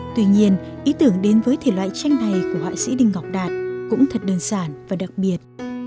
tuy nhiên ý tưởng đến với thể loại tranh này của họa sĩ đinh ngọc đạt cũng thật đơn giản và đặc biệt